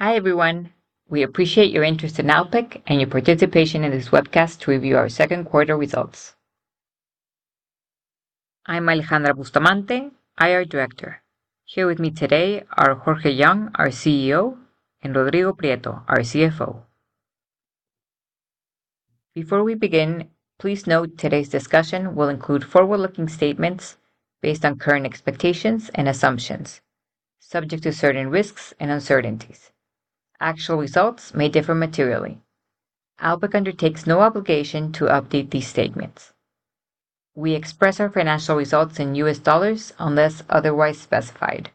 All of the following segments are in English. Hi, everyone. We appreciate your interest in Alpek and your participation in this webcast to review our second quarter results. I'm Alejandra Bustamante, IR director. Here with me today are Jorge Young, our CEO, and Rodrigo Prieto, our CFO. Before we begin, please note today's discussion will include forward-looking statements based on current expectations and assumptions, subject to certain risks and uncertainties. Actual results may differ materially. Alpek undertakes no obligation to update these statements. We express our financial results in US dollars unless otherwise specified.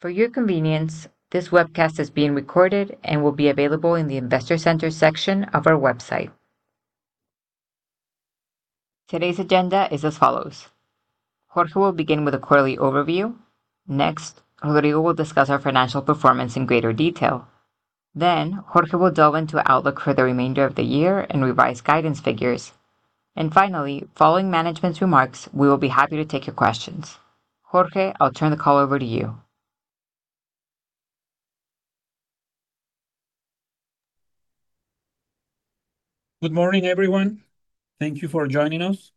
For your convenience, this webcast is being recorded and will be available in the investor center section of our website. Today's agenda is as follows. Jorge will begin with a quarterly overview. Next, Rodrigo will discuss our financial performance in greater detail. Jorge will delve into outlook for the remainder of the year and revised guidance figures. Finally, following management's remarks, we will be happy to take your questions. Jorge, I'll turn the call over to you. Good morning, everyone. Thank you for joining us.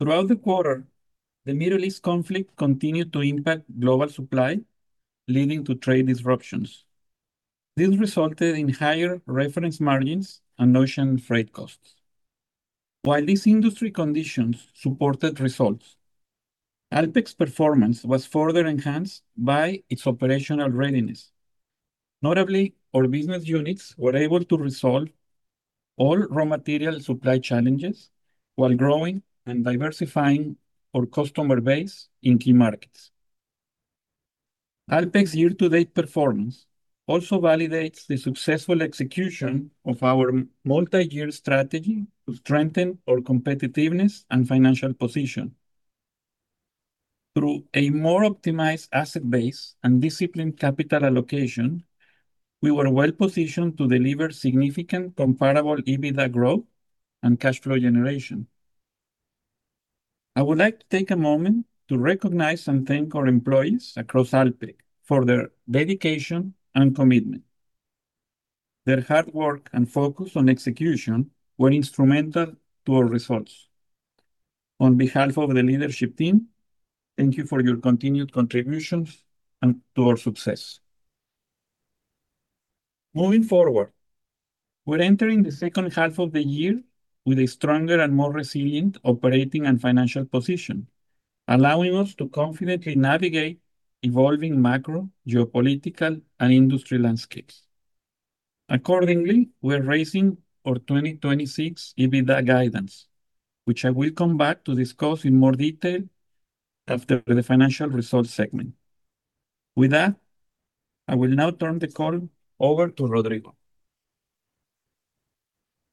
Throughout the quarter, the Middle East conflict continued to impact global supply, leading to trade disruptions. This resulted in higher reference margins and ocean freight costs. While these industry conditions supported results, Alpek's performance was further enhanced by its operational readiness. Notably, our business units were able to resolve all raw material supply challenges while growing and diversifying our customer base in key markets. Alpek's year-to-date performance also validates the successful execution of our multi-year strategy to strengthen our competitiveness and financial position. Through a more optimized asset base and disciplined capital allocation, we were well-positioned to deliver significant comparable EBITDA growth and cash flow generation. I would like to take a moment to recognize and thank our employees across Alpek for their dedication and commitment. Their hard work and focus on execution were instrumental to our results. On behalf of the leadership team, thank you for your continued contributions and to our success. Moving forward, we're entering the second half of the year with a stronger and more resilient operating and financial position, allowing us to confidently navigate evolving macro, geopolitical and industry landscapes. Accordingly, we're raising our 2026 EBITDA guidance, which I will come back to discuss in more detail after the financial results segment. With that, I will now turn the call over to Rodrigo.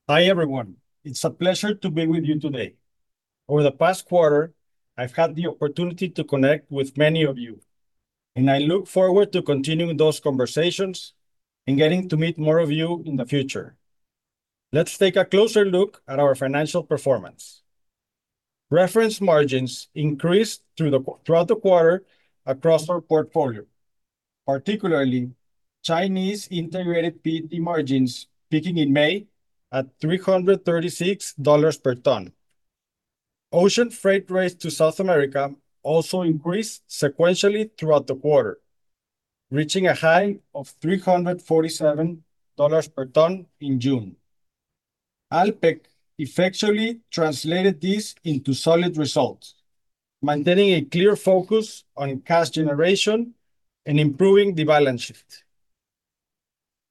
Hi, everyone. It's a pleasure to be with you today. Over the past quarter, I've had the opportunity to connect with many of you, and I look forward to continuing those conversations and getting to meet more of you in the future. Let's take a closer look at our financial performance. Reference margins increased throughout the quarter across our portfolio, particularly Chinese integrated PET margins, peaking in May at $336 per ton. Ocean freight rates to South America also increased sequentially throughout the quarter, reaching a high of $347 per ton in June. Alpek effectually translated this into solid results, maintaining a clear focus on cash generation and improving the balance sheet.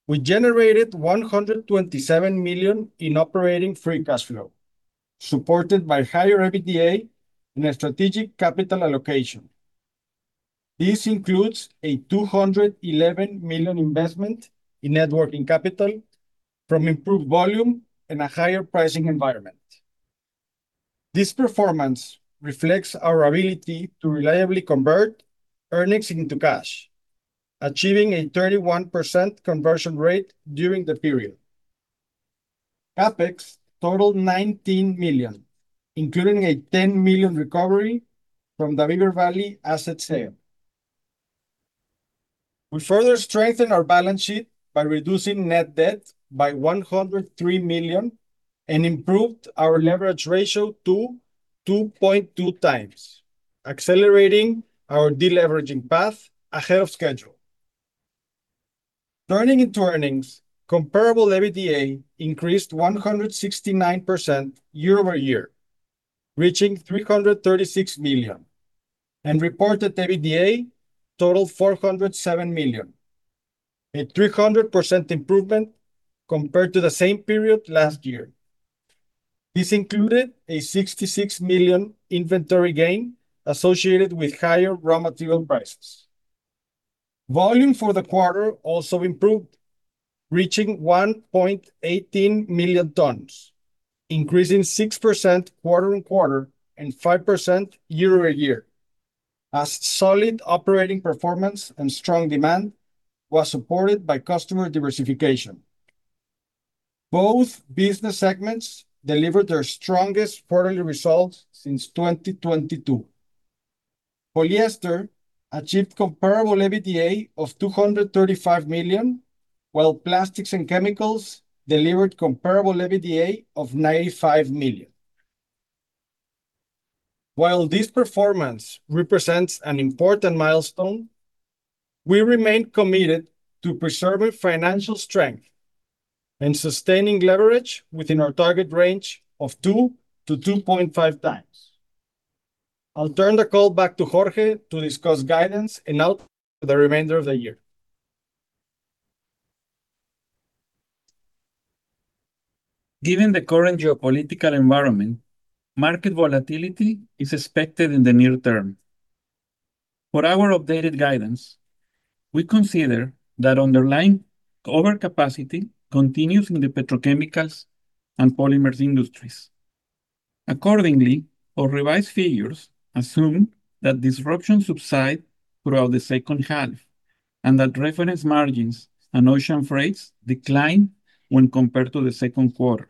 We generated $127 million in operating free cash flow, supported by higher EBITDA and a strategic capital allocation. This includes a $211 million investment in net working capital from improved volume and a higher pricing environment. This performance reflects our ability to reliably convert earnings into cash, achieving a 31% conversion rate during the period. CapEx totaled $19 million, including a $10 million recovery from the Beaver Valley asset sale. We further strengthened our balance sheet by reducing net debt by $103 million and improved our leverage ratio to 2.2x, accelerating our deleveraging path ahead of schedule. Turning into earnings, comparable EBITDA increased 169% year-over-year, reaching $336 million, and reported EBITDA totaled $407 million, a 300% improvement compared to the same period last year. This included a $66 million inventory gain associated with higher raw material prices. Volume for the quarter also improved, reaching 1.18 million tons, increasing 6% quarter-on-quarter and 5% year-over-year as solid operating performance and strong demand was supported by customer diversification. Both business segments delivered their strongest quarterly results since 2022. Polyester achieved comparable EBITDA of $235 million, while plastics and chemicals delivered comparable EBITDA of $95 million. While this performance represents an important milestone, we remain committed to preserving financial strength and sustaining leverage within our target range of 2-2.5 times. I'll turn the call back to Jorge to discuss guidance and outlook for the remainder of the year. Given the current geopolitical environment, market volatility is expected in the near term. For our updated guidance, we consider that underlying overcapacity continues in the petrochemicals and polymers industries. Accordingly, our revised figures assume that disruptions subside throughout the second half and that reference margins and ocean freights decline when compared to the second quarter,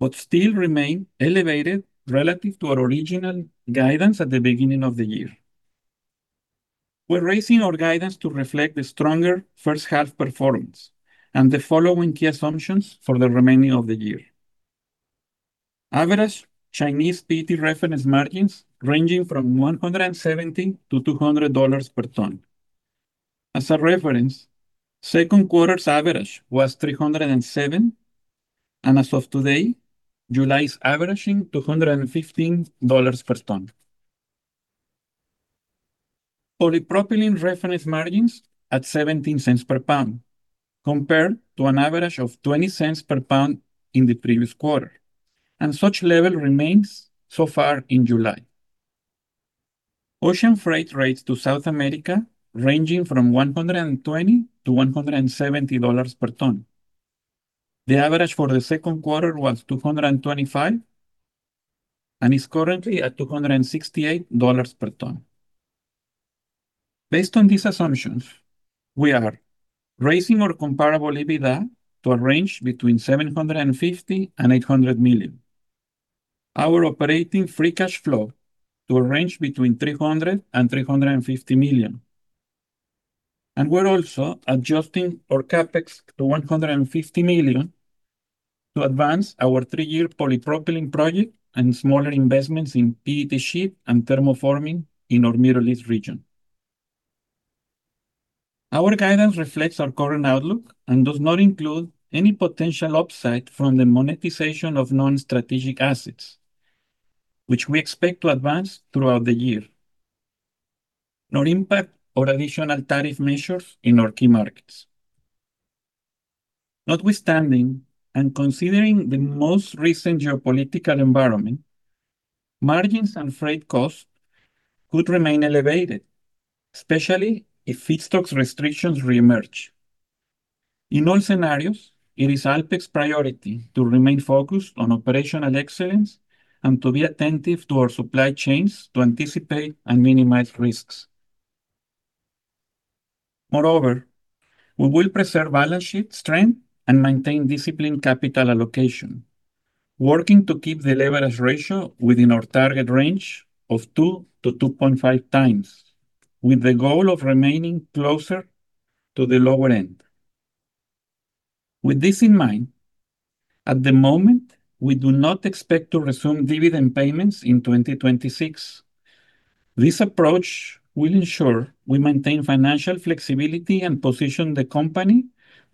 but still remain elevated relative to our original guidance at the beginning of the year. We're raising our guidance to reflect the stronger first half performance and the following key assumptions for the remaining of the year. Average Chinese PET reference margins ranging from $170-$200 per ton. As a reference, second quarter's average was $307, and as of today, July is averaging $215 per ton. Polypropylene reference margins at $0.17 per pound, compared to an average of $0.20 per pound in the previous quarter, and such level remains so far in July. Ocean freight rates to South America ranging from $120-$170 per ton. The average for the second quarter was $225, and is currently at $268 per ton. Based on these assumptions, we are raising our comparable EBITDA to a range between $750 million and $800 million, our operating free cash flow to a range between $300 million and $350 million, we're also adjusting our CapEx to $150 million to advance our three-year polypropylene project and smaller investments in PET Sheet and thermoforming in our Middle East region. Our guidance reflects our current outlook and does not include any potential upside from the monetization of non-strategic assets, which we expect to advance throughout the year, nor impact or additional tariff measures in our key markets. Notwithstanding and considering the most recent geopolitical environment, margins and freight costs could remain elevated, especially if feedstocks restrictions reemerge. In all scenarios, it is Alpek's priority to remain focused on operational excellence and to be attentive to our supply chains to anticipate and minimize risks. We will preserve balance sheet strength and maintain disciplined capital allocation, working to keep the leverage ratio within our target range of 2-2.5 times, with the goal of remaining closer to the lower end. With this in mind, at the moment, we do not expect to resume dividend payments in 2026. This approach will ensure we maintain financial flexibility and position the company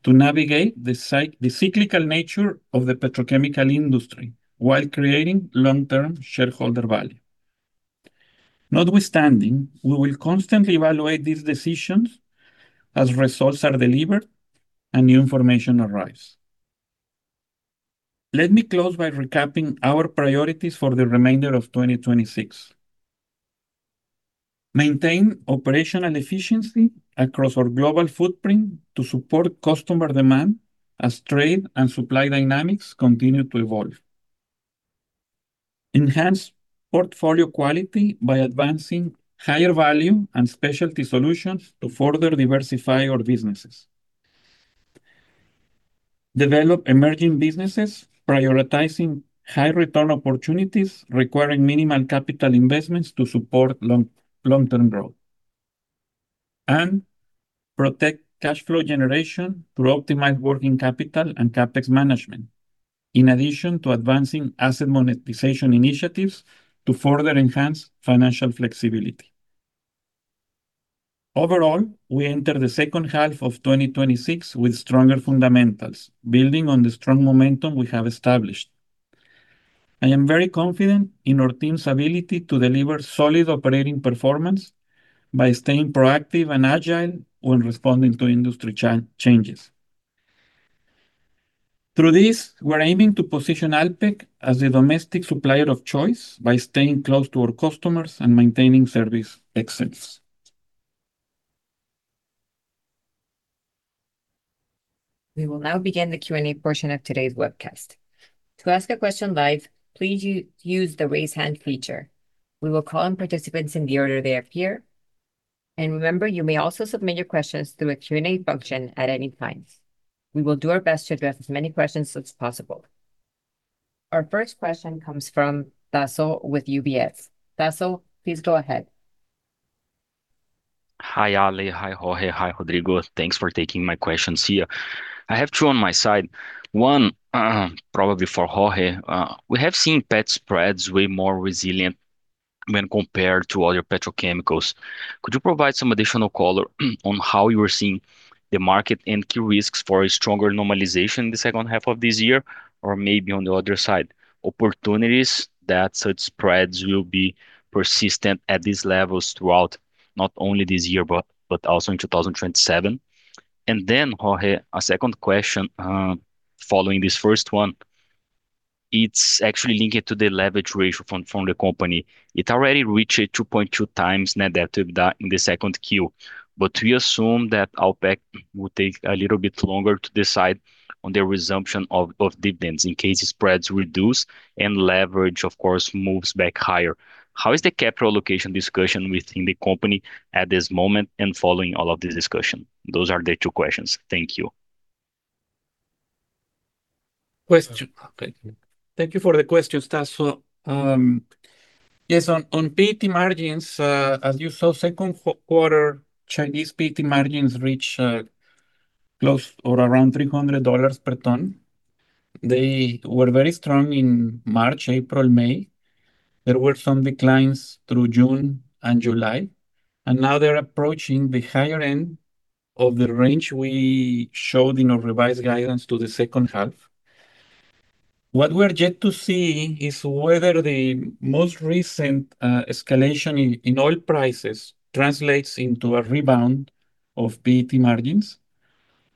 to navigate the cyclical nature of the petrochemical industry while creating long-term shareholder value. We will constantly evaluate these decisions as results are delivered and new information arrives. Let me close by recapping our priorities for the remainder of 2026. Maintain operational efficiency across our global footprint to support customer demand as trade and supply dynamics continue to evolve. Enhance portfolio quality by advancing higher value and specialty solutions to further diversify our businesses. Develop emerging businesses, prioritizing high return opportunities requiring minimal capital investments to support long-term growth. Protect cash flow generation through optimized working capital and CapEx management, in addition to advancing asset monetization initiatives to further enhance financial flexibility. We enter the second half of 2026 with stronger fundamentals, building on the strong momentum we have established. I am very confident in our team's ability to deliver solid operating performance by staying proactive and agile when responding to industry changes. Through this, we're aiming to position Alpek as the domestic supplier of choice by staying close to our customers and maintaining service excellence. We will now begin the Q&A portion of today's webcast. To ask a question live, please use the raise hand feature. We will call on participants in the order they appear. Remember, you may also submit your questions through a Q&A function at any time. We will do our best to address as many questions as possible. Our first question comes from Tasso with UBS. Tasso, please go ahead. Hi, Ale. Hi, Jorge. Hi, Rodrigo. Thanks for taking my questions here. I have two on my side. One probably for Jorge. We have seen PET spreads way more resilient when compared to other petrochemicals. Could you provide some additional color on how you are seeing the market and key risks for a stronger normalization in the second half of this year? Maybe on the other side, opportunities that such spreads will be persistent at these levels throughout not only this year, but also in 2027? Jorge, a second question, following this first one. It's actually linked to the leverage ratio from the company. It already reached a 2.2 times net debt to EBITDA in the second Q. We assume that Alpek will take a little bit longer to decide on the resumption of dividends in case spreads reduce and leverage, of course, moves back higher. How is the capital allocation discussion within the company at this moment and following all of this discussion? Those are the two questions. Thank you. Thank you for the question, Tasso. Yes, on PET margins, as you saw, second quarter Chinese PET margins reached close to or around $300 per ton. They were very strong in March, April, May. There were some declines through June and July. Now they're approaching the higher end of the range we showed in our revised guidance to the second half. What we are yet to see is whether the most recent escalation in oil prices translates into a rebound of PET margins.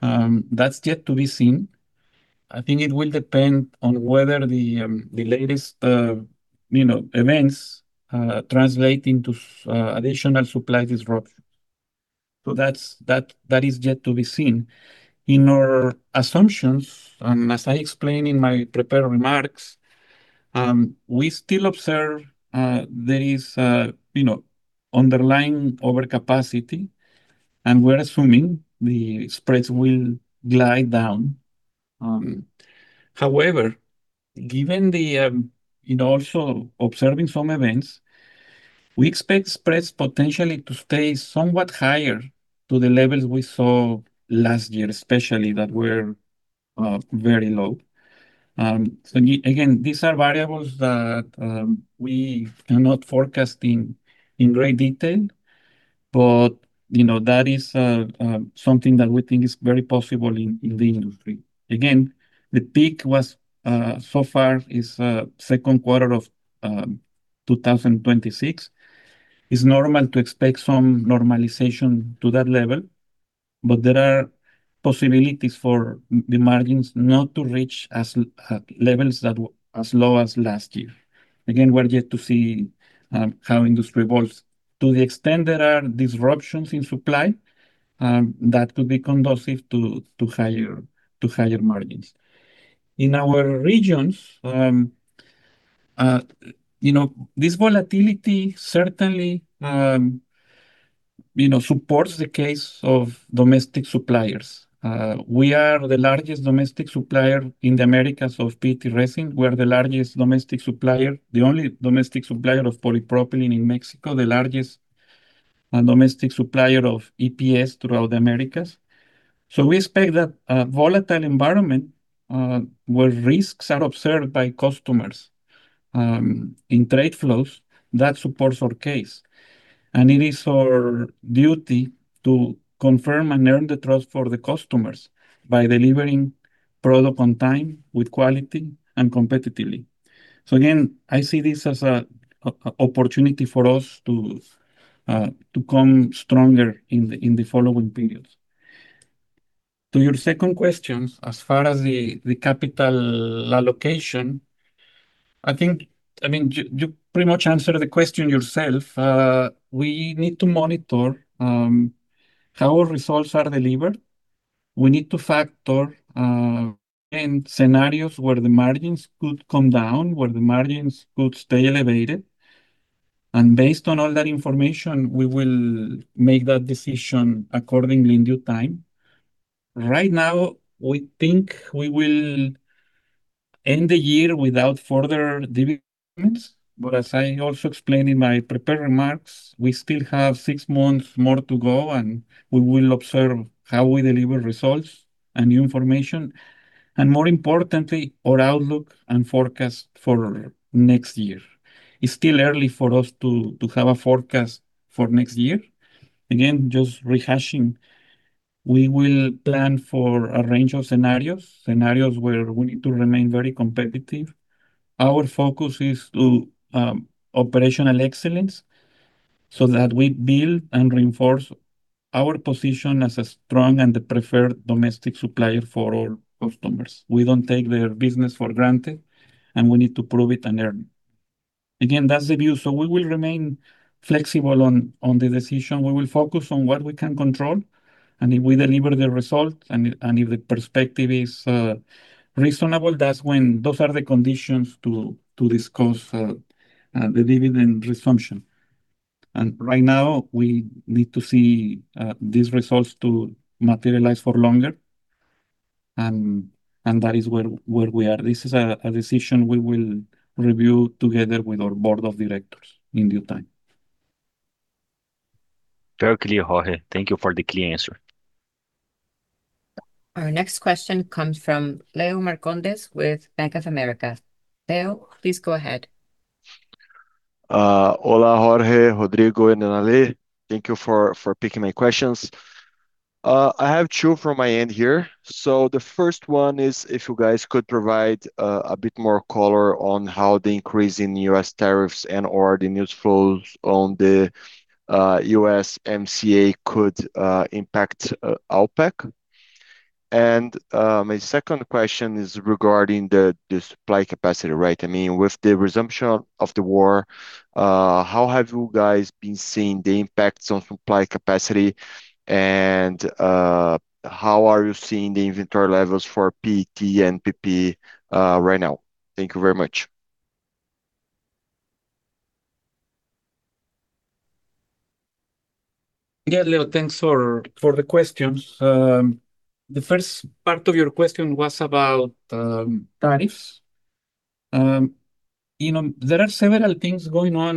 That's yet to be seen. I think it will depend on whether the latest events translate into additional supply disruption. That is yet to be seen. In our assumptions, as I explained in my prepared remarks, we still observe there is underlying overcapacity, and we're assuming the spreads will glide down. Also observing some events, we expect spreads potentially to stay somewhat higher to the levels we saw last year, especially that were very low. Again, these are variables that we are not forecasting in great detail, but that is something that we think is very possible in the industry. Again, the peak so far is second quarter of 2026. It's normal to expect some normalization to that level, but there are possibilities for the margins not to reach levels that were as low as last year. Again, we're yet to see how industry evolves. To the extent there are disruptions in supply, that could be conducive to higher margins. In our regions, this volatility certainly supports the case of domestic suppliers. We are the largest domestic supplier in the Americas of PET resin. We are the largest domestic supplier, the only domestic supplier of polypropylene in Mexico, the largest domestic supplier of EPS throughout the Americas. We expect that a volatile environment where risks are observed by customers in trade flows, that supports our case, and it is our duty to confirm and earn the trust for the customers by delivering product on time, with quality, and competitively. Again, I see this as an opportunity for us to come stronger in the following periods. To your second question, as far as the capital allocation, I think you pretty much answered the question yourself. We need to monitor how our results are delivered. We need to factor in scenarios where the margins could come down, where the margins could stay elevated. Based on all that information, we will make that decision accordingly in due time. Right now, we think we will end the year without further dividends. As I also explained in my prepared remarks, we still have six months more to go, and we will observe how we deliver results and new information. More importantly, our outlook and forecast for next year. It's still early for us to have a forecast for next year. Again, just rehashing, we will plan for a range of scenarios where we need to remain very competitive. Our focus is to operational excellence so that we build and reinforce our position as a strong and the preferred domestic supplier for all customers. We don't take their business for granted, and we need to prove it and earn it. Again, that's the view. We will remain flexible on the decision. We will focus on what we can control. If we deliver the results and if the perspective is reasonable, those are the conditions to discuss the dividend resumption. Right now, we need to see these results to materialize for longer. That is where we are. This is a decision we will review together with our board of directors in due time. Very clear, Jorge. Thank you for the clear answer. Our next question comes from Leo Marcondes with Bank of America. Leo, please go ahead. Hola, Jorge, Rodrigo, and Ale. Thank you for picking my questions. I have two from my end here. The first one is if you guys could provide a bit more color on how the increase in U.S. tariffs and/or the news flows on the USMCA could impact Alpek. My second question is regarding the supply capacity, right? With the resumption of the war, how have you guys been seeing the impacts on supply capacity, and how are you seeing the inventory levels for PET and PP right now? Thank you very much. Yeah, Leo. Thanks for the questions. The first part of your question was about tariffs. There are several things going on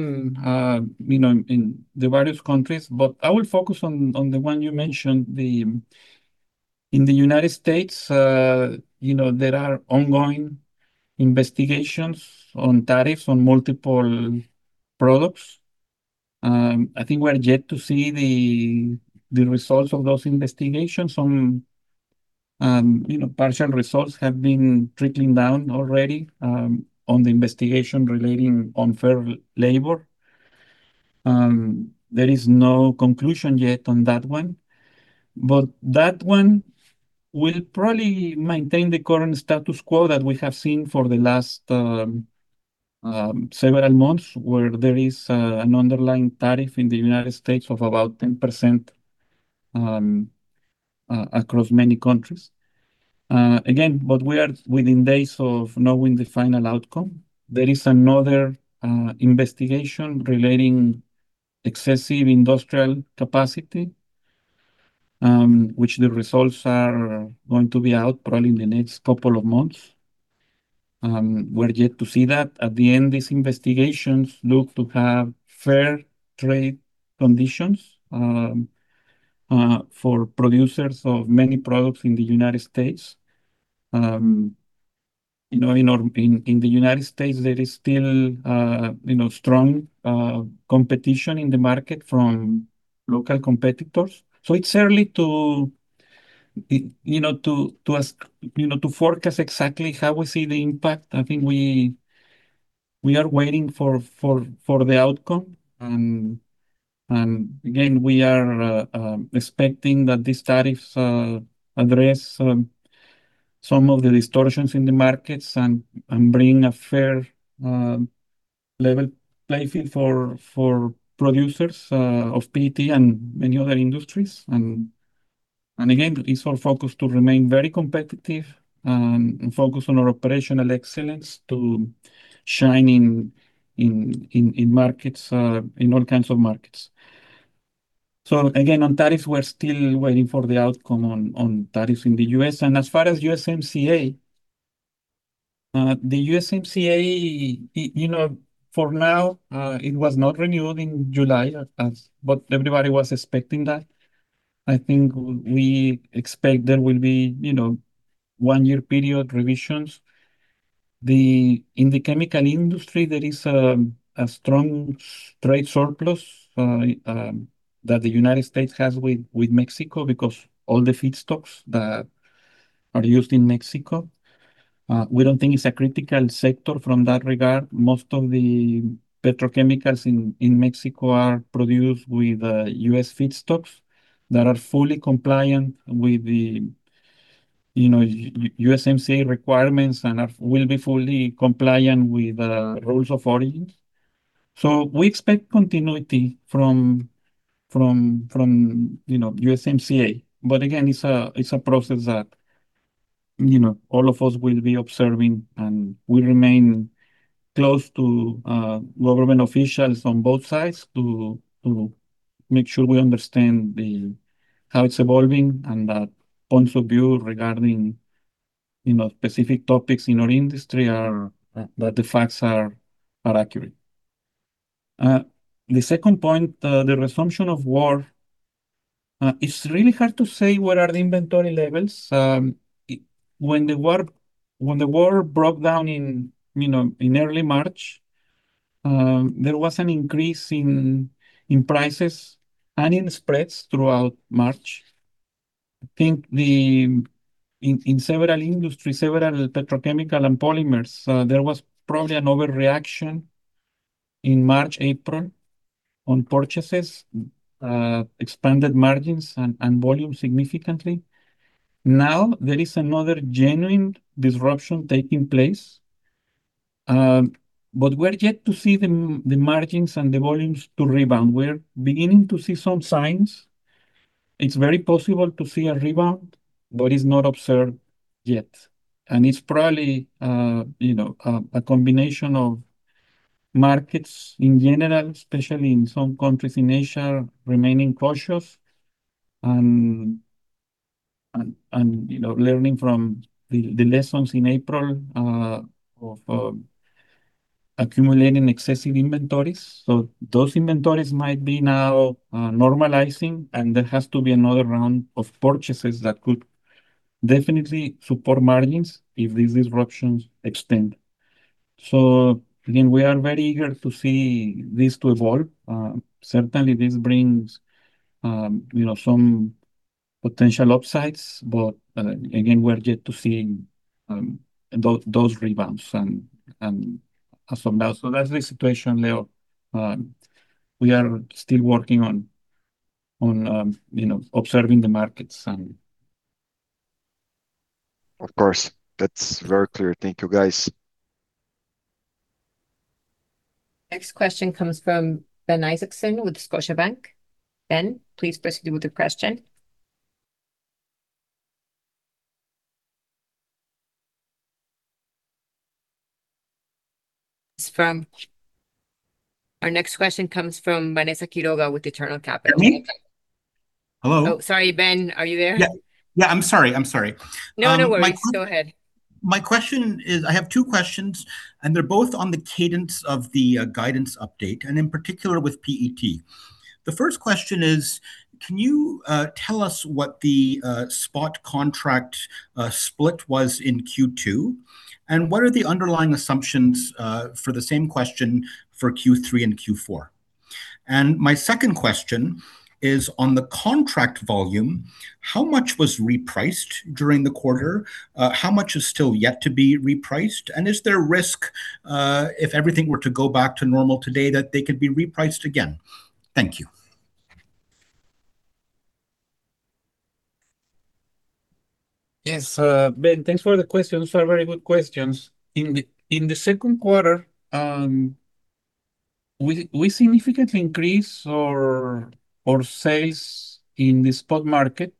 in the various countries, but I will focus on the one you mentioned. In the United States, there are ongoing investigations on tariffs on multiple products. I think we are yet to see the results of those investigations. Some partial results have been trickling down already on the investigation relating on fair labor. There is no conclusion yet on that one. That one will probably maintain the current status quo that we have seen for the last several months, where there is an underlying tariff in the United States of about 10% across many countries. Again, we are within days of knowing the final outcome. There is another investigation relating excessive industrial capacity, which the results are going to be out probably in the next couple of months. We're yet to see that. At the end, these investigations look to have fair trade conditions for producers of many products in the United States. In the United States, there is still strong competition in the market from local competitors. It's early to forecast exactly how we see the impact. I think we are waiting for the outcome. Again, we are expecting that these tariffs address some of the distortions in the markets, and bring a fair level playing field for producers of PET and many other industries. Again, it's our focus to remain very competitive and focus on our operational excellence to shine in all kinds of markets. Again, on tariffs, we're still waiting for the outcome on tariffs in the U.S. As far as USMCA, the USMCA, for now, it was not renewed in July as what everybody was expecting that. I think we expect there will be one-year period revisions. In the chemical industry, there is a strong trade surplus that the U.S. has with Mexico because all the feedstocks that are used in Mexico, we don't think it's a critical sector from that regard. Most of the petrochemicals in Mexico are produced with U.S. feedstocks that are fully compliant with the USMCA requirements and will be fully compliant with rules of origins. We expect continuity from USMCA. Again, it's a process that all of us will be observing, and we remain close to government officials on both sides to make sure we understand how it's evolving and that points of view regarding specific topics in our industry are that the facts are accurate. The second point, the resumption of war, it's really hard to say what are the inventory levels. When the war broke down in early March, there was an increase in prices and in spreads throughout March. I think in several industries, several petrochemical and polymers, there was probably an overreaction in March, April on purchases, expanded margins, and volume significantly. Now, there is another genuine disruption taking place. We're yet to see the margins and the volumes to rebound. We're beginning to see some signs. It's very possible to see a rebound, but it's not observed yet. It's probably a combination of markets in general, especially in some countries in Asia, remaining cautious and learning from the lessons in April of accumulating excessive inventories. Those inventories might be now normalizing, and there has to be another round of purchases that could definitely support margins if these disruptions extend. Again, we are very eager to see this to evolve. Certainly, this brings some potential upsides, again, we are yet to seeing those rebounds. That's the situation, Leo. We are still working on observing the markets. Of course, that's very clear. Thank you, guys. Next question comes from Ben Isaacson with Scotiabank. Ben, please proceed with your question. Our next question comes from Vanessa Quiroga with Eternal Capital. Me. Hello. Oh, sorry, Ben. Are you there? Yeah. I'm sorry. No, no worries. Go ahead. My question is, I have two questions, they're both on the cadence of the guidance update, and in particular with PET. The first question is, can you tell us what the spot contract split was in Q2? What are the underlying assumptions for the same question for Q3 and Q4? My second question is, on the contract volume, how much was repriced during the quarter? How much is still yet to be repriced? Is there a risk, if everything were to go back to normal today, that they could be repriced again? Thank you. Yes. Ben, thanks for the questions, they're very good questions. In the second quarter, we significantly increased our sales in the spot market.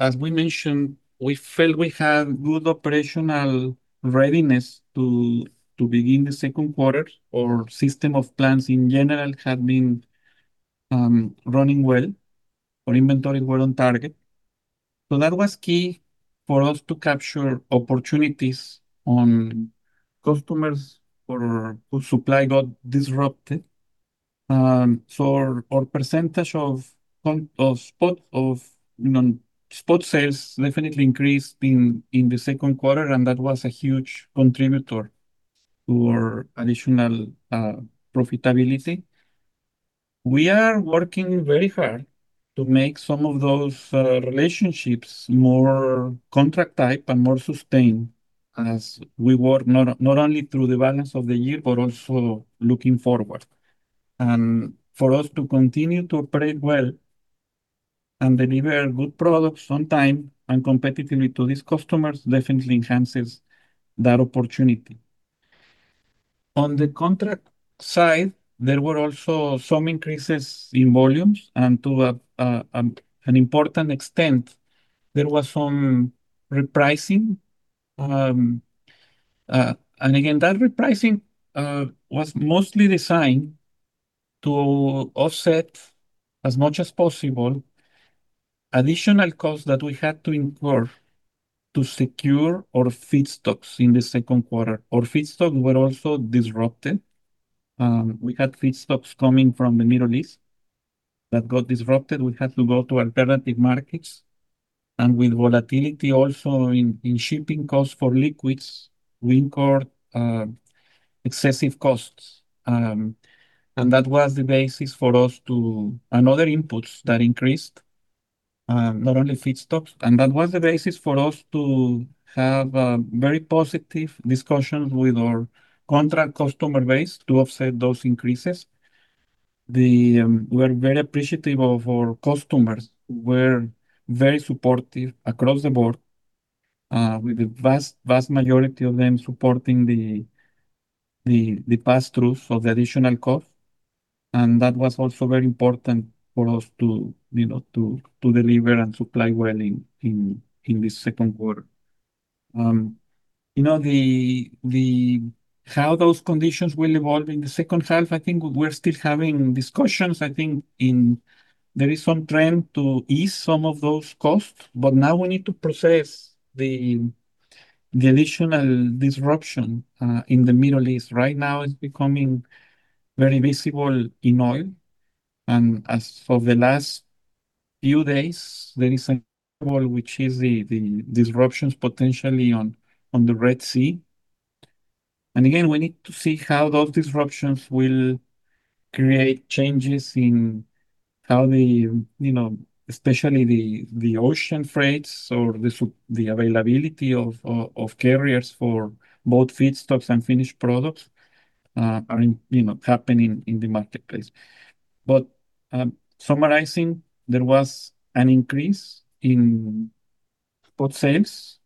As we mentioned, we felt we had good operational readiness to begin the second quarter. Our system of plants in general had been running well. Our inventory were on target. That was key for us to capture opportunities on customers for whose supply got disrupted. Our percentage of spot sales definitely increased in the second quarter, and that was a huge contributor to our additional profitability. We are working very hard to make some of those relationships more contract type and more sustained as we work not only through the balance of the year, but also looking forward. For us to continue to operate well and deliver good products on time and competitively to these customers definitely enhances that opportunity. On the contract side, there were also some increases in volumes. To an important extent, there was some repricing. Again, that repricing was mostly designed to offset as much as possible additional costs that we had to incur to secure our feedstocks in the second quarter. Our feedstocks were also disrupted. We had feedstocks coming from the Middle East that got disrupted. We had to go to alternative markets, and with volatility also in shipping costs for liquids, we incurred excessive costs. Other inputs that increased, not only feedstocks. That was the basis for us to have very positive discussions with our contract customer base to offset those increases. We're very appreciative of our customers who were very supportive across the board, with the vast majority of them supporting the pass-through of the additional cost, and that was also very important for us to deliver and supply well in the second quarter. How those conditions will evolve in the second half, I think we're still having discussions. I think there is some trend to ease some of those costs, but now we need to process the additional disruption in the Middle East. Right now, it's becoming very visible in oil. As of the last few days, there is the disruptions potentially on the Red Sea. Again, we need to see how those disruptions will create changes in how the, especially the ocean freights or the availability of carriers for both feedstocks and finished products are happening in the marketplace. Summarizing, there was an increase in spot sales.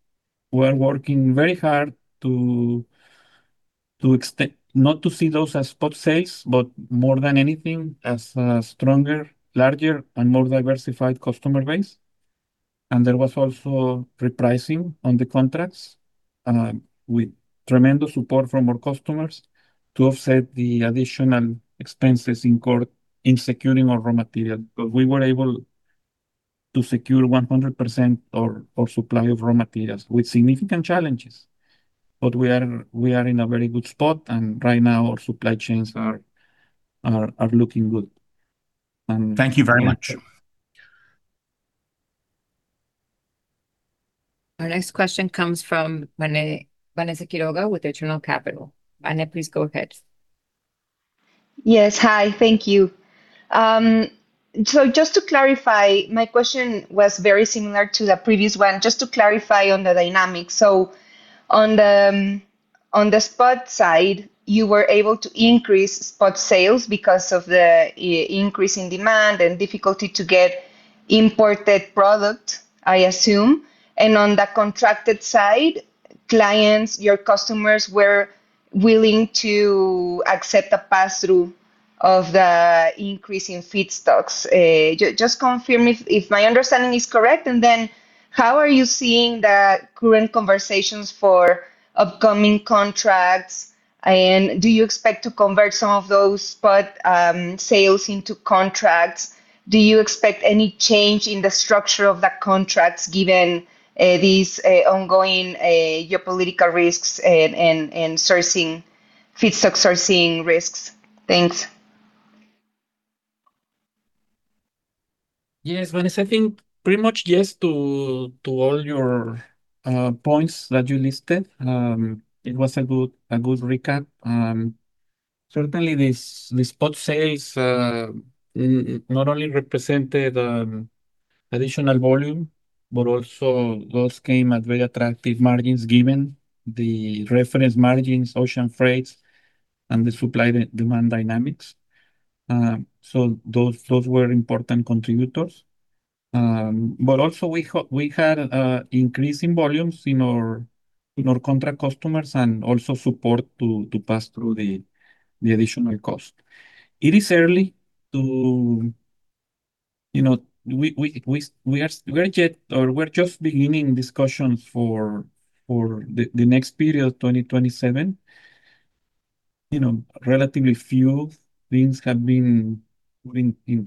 We're working very hard to not to see those as spot sales, but more than anything, as a stronger, larger, and more diversified customer base. There was also repricing on the contracts, with tremendous support from our customers to offset the additional expenses incurred in securing our raw material. We were able to secure 100% of supply of raw materials with significant challenges. We are in a very good spot, and right now our supply chains are looking good. Thank you very much. Our next question comes from Vanessa Quiroga with Eternal Capital. Vane, please go ahead. Yes. Hi. Thank you. Just to clarify, my question was very similar to the previous one, just to clarify on the dynamics. On the spot side, you were able to increase spot sales because of the increase in demand and difficulty to get imported product, I assume. On the contracted side, clients, your customers, were willing to accept the pass-through of the increase in feedstocks. Just confirm if my understanding is correct, how are you seeing the current conversations for upcoming contracts, and do you expect to convert some of those spot sales into contracts? Do you expect any change in the structure of the contracts given these ongoing geopolitical risks and sourcing feedstocks, sourcing risks? Thanks. Yes, Vanessa, I think pretty much yes to all your points that you listed. It was a good recap. Certainly these spot sales not only represented additional volume, but also those came at very attractive margins given the reference margins, ocean freights, and the supply-demand dynamics. Those were important contributors. Also we had increase in volumes in our contract customers and also support to pass through the additional cost. It is early. We're just beginning discussions for the next period, 2027. Relatively few things have been put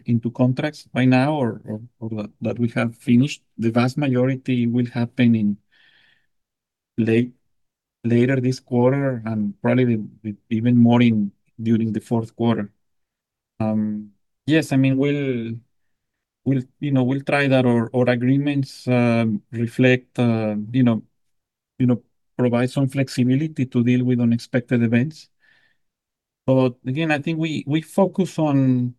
into contracts by now, or that we have finished. The vast majority will happen in later this quarter and probably even more during the fourth quarter. Yes, we'll try that. Our agreements reflect, provide some flexibility to deal with unexpected events. Again, I think we focus on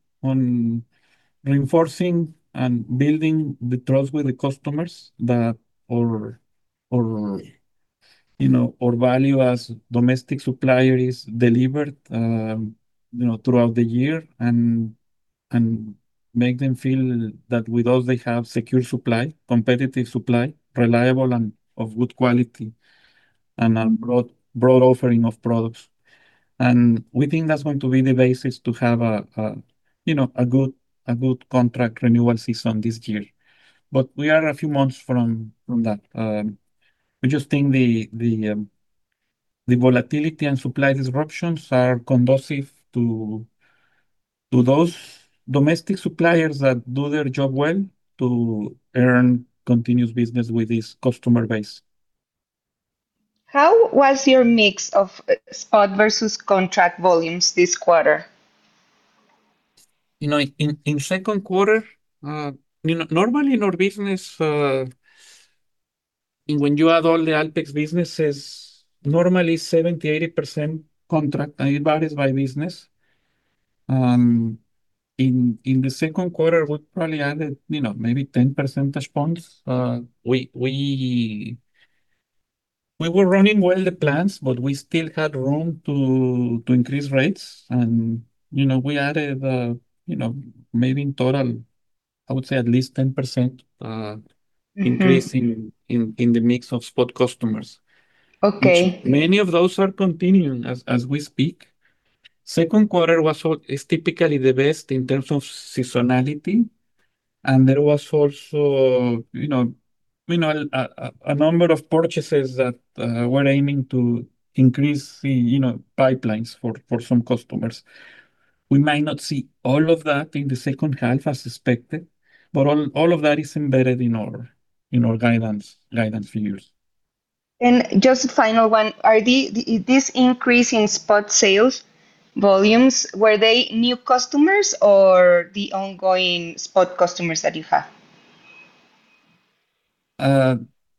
reinforcing and building the trust with the customers that our value as domestic supplier is delivered throughout the year and make them feel that with us they have secure supply, competitive supply, reliable and of good quality, and a broad offering of products. We think that's going to be the basis to have a good contract renewal season this year. We are a few months from that. We just think the volatility and supply disruptions are conducive to those domestic suppliers that do their job well to earn continuous business with this customer base. How was your mix of spot versus contract volumes this quarter? In second quarter, normally in our business, when you add all the Alpek's businesses, normally 70%-80% contract. It varies by business. In the second quarter, we probably added maybe 10 percentage points. We were running well the plans, but we still had room to increase rates. We added maybe in total, I would say at least 10% increase in the mix of spot customers. Okay. Many of those are continuing as we speak. Second quarter is typically the best in terms of seasonality. There was also a number of purchases that were aiming to increase the pipelines for some customers. We might not see all of that in the second half as expected, all of that is embedded in our guidance figures. Just a final one. This increase in spot sales volumes, were they new customers or the ongoing spot customers that you have?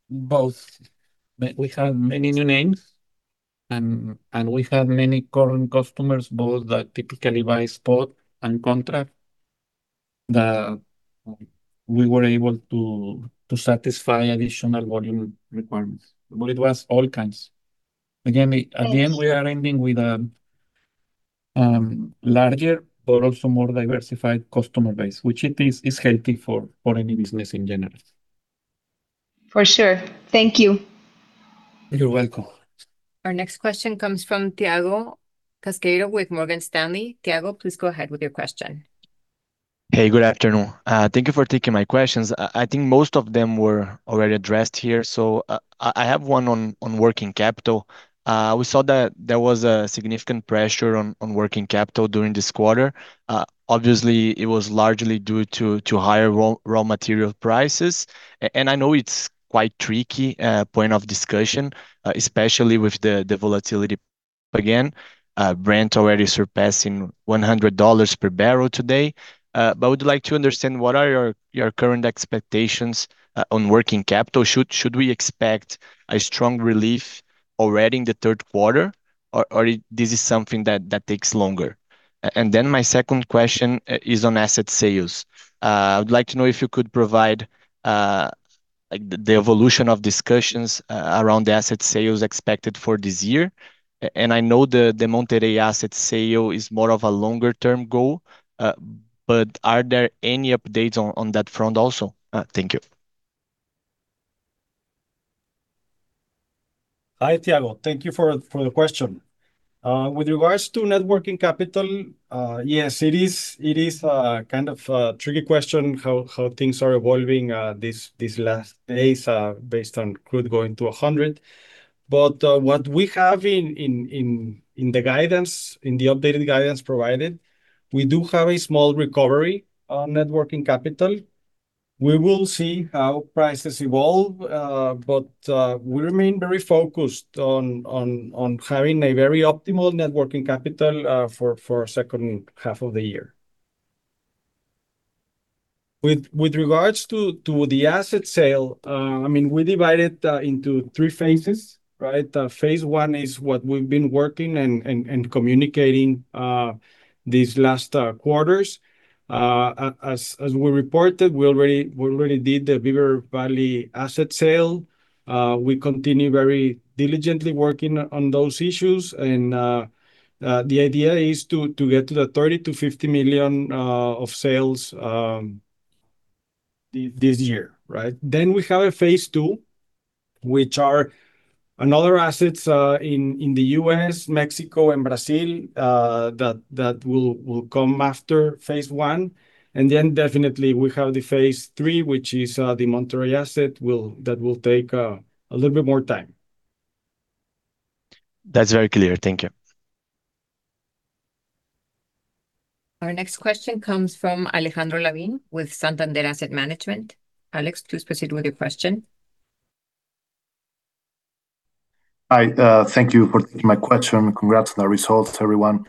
Both. We have many new names, and we have many current customers, both that typically buy spot and contract, that we were able to satisfy additional volume requirements. It was all kinds. Yes At the end, we are ending with a larger but also more diversified customer base, which it is healthy for any business in general. For sure. Thank you You're welcome. Our next question comes from Thiago Casqueiro with Morgan Stanley. Thiago, please go ahead with your question. Hey, good afternoon. Thank you for taking my questions. I think most of them were already addressed here. I have one on working capital. We saw that there was a significant pressure on working capital during this quarter. Obviously, it was largely due to higher raw material prices. I know it's quite a tricky point of discussion, especially with the volatility again, Brent crude already surpassing $100 per barrel today. I would like to understand, what are your current expectations on working capital? Should we expect a strong relief already in the third quarter, or this is something that takes longer? My second question is on asset sales. I would like to know if you could provide the evolution of discussions around the asset sales expected for this year. I know the Monterrey asset sale is more of a longer-term goal. Are there any updates on that front also? Thank you. Hi, Thiago. Thank you for the question. With regards to net working capital, yes, it is kind of a tricky question, how things are evolving these last days based on crude going to 100. What we have in the updated guidance provided, we do have a small recovery on net working capital. We will see how prices evolve. We remain very focused on having a very optimal net working capital for second half of the year. With regards to the asset sale, we divide it into 3 phases, right? phase I is what we've been working and communicating these last quarters. As we reported, we already did the Beaver Valley asset sale. We continue very diligently working on those issues. The idea is to get to the $30 million-$50 million of sales this year, right? We have a phase II, which are another assets in the U.S., Mexico, and Brazil, that will come after phase I. Definitely we have the phase III, which is the Monterrey asset, that will take a little bit more time. That's very clear. Thank you. Our next question comes from Alejandro Lavín with Santander Asset Management. Alex, please proceed with your question. Hi, thank you for taking my question. Congrats on the results, everyone.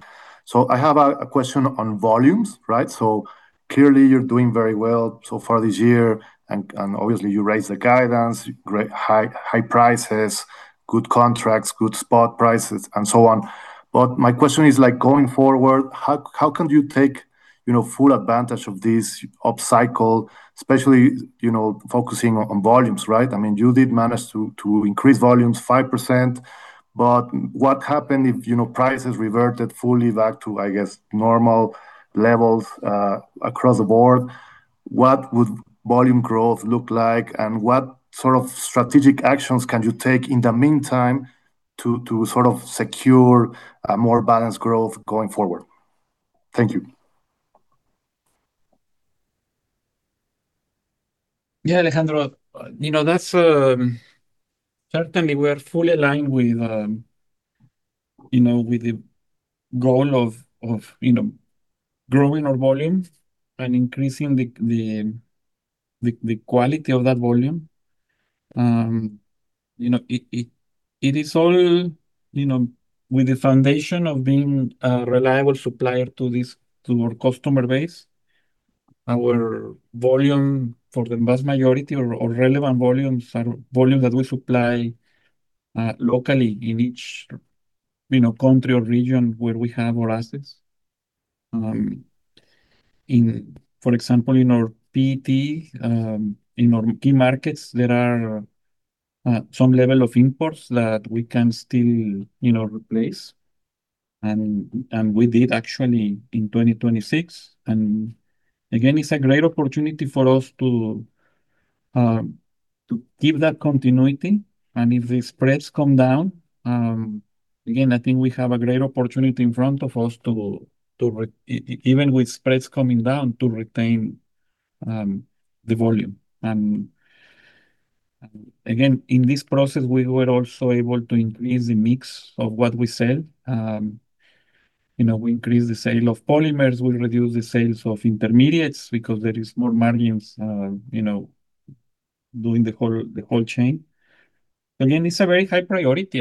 I have a question on volumes, right? Clearly you're doing very well so far this year, obviously you raised the guidance, high prices, good contracts, good spot prices, and so on. My question is going forward, how can you take full advantage of this upcycle, especially focusing on volumes, right? You did manage to increase volumes 5%, but what happened if prices reverted fully back to, I guess, normal levels across the board? What would volume growth look like? What sort of strategic actions can you take in the meantime to sort of secure a more balanced growth going forward? Thank you. Yeah, Alejandro. Certainly, we are fully aligned with the goal of growing our volume and increasing the quality of that volume. It is all with the foundation of being a reliable supplier to our customer base. Our volume for the vast majority, or relevant volumes are volumes that we supply locally in each country or region where we have our assets. For example, in our PET, in our key markets, there are some level of imports that we can still replace. We did actually in 2026. Again, it's a great opportunity for us to keep that continuity. If the spreads come down, again, I think we have a great opportunity in front of us, even with spreads coming down, to retain the volume. Again, in this process, we were also able to increase the mix of what we sell. We increase the sale of polymers, we reduce the sales of intermediates because there is more margins doing the whole chain. It's a very high priority,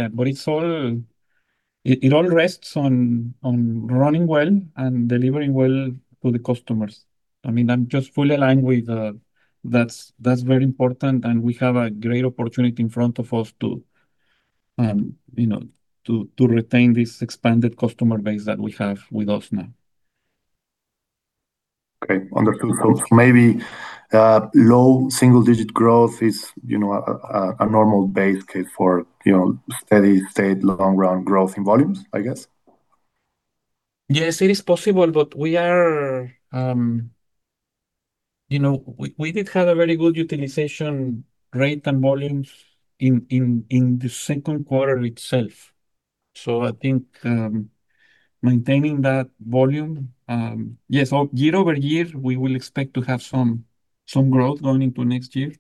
it all rests on running well and delivering well to the customers. I'm just fully aligned with that's very important, we have a great opportunity in front of us to retain this expanded customer base that we have with us now. Okay, understood. Maybe low single-digit growth is a normal base case for steady state long run growth in volumes, I guess? Yes, it is possible, we did have a very good utilization rate and volumes in the second quarter itself. I think maintaining that volume. Yes, year-over-year, we will expect to have some growth going into next year.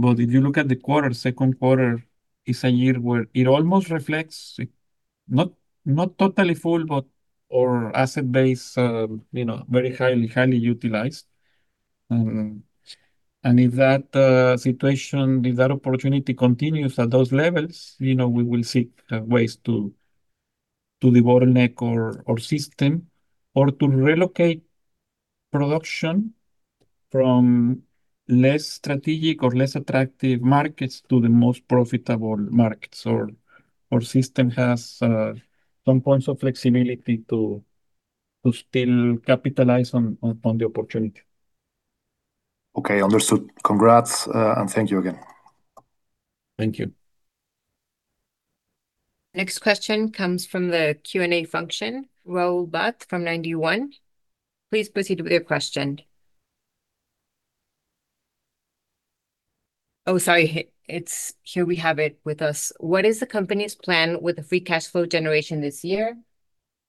If you look at the quarter, second quarter is a year where it almost reflects, not totally full but our asset base very highly utilized. If that situation, if that opportunity continues at those levels, we will seek ways to the bottleneck or system or to relocate production from less strategic or less attractive markets to the most profitable markets, or system has some points of flexibility to still capitalize on the opportunity. Okay, understood. Congrats, thank you again. Thank you. Next question comes from the Q&A function. [Raul Butt] from Ninety One. Please proceed with your question. Oh, sorry. Here we have it with us. What is the company's plan with the free cash flow generation this year?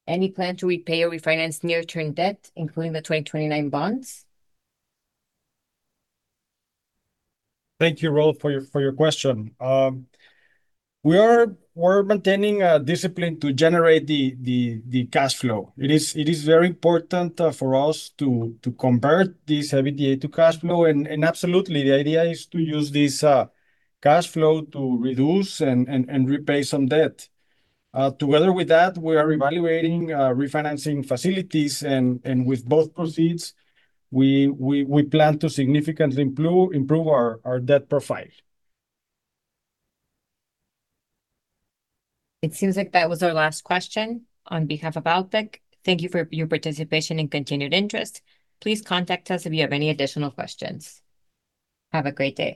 Any plan to repay or refinance near-term debt, including the 2029 bonds? Thank you, [Raul], for your question. We're maintaining a discipline to generate the cash flow. It is very important for us to convert this EBITDA to cash flow. Absolutely, the idea is to use this cash flow to reduce and repay some debt. Together with that, we are evaluating refinancing facilities, and with both proceeds, we plan to significantly improve our debt profile. It seems like that was our last question. On behalf of Alpek, thank you for your participation and continued interest. Please contact us if you have any additional questions. Have a great day.